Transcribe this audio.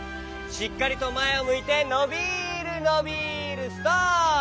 しっかりとまえをむいてのびるのびるストップ！